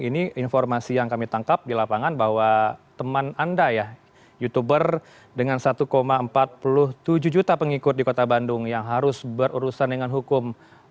ini informasi yang kami tangkap di lapangan bahwa teman anda ya youtuber dengan satu empat puluh tujuh juta pengikut di kota bandung yang harus berurusan dengan hukum